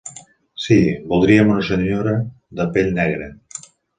Sí, voldríem una senyora de pell negra.